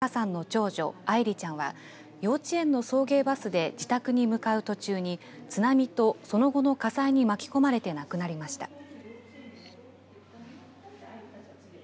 石巻市に住む佐藤美香さんの長女、愛梨ちゃんは幼稚園の送迎バスで自宅に向かう途中に津波とその後の火災に巻き込まれて、亡くなりました。